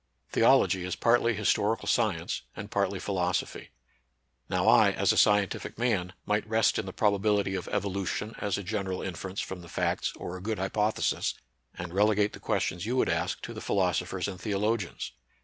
Theology is partly his torical science, and partly philosophy. Now I, as a scientific man, might rest in the probability of evolution as a general inference from the facts or a good hypothesis, and relegate the questions you would ask to the philosophers and theologians.